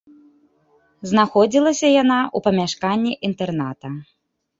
Знаходзілася яна ў памяшканні інтэрната.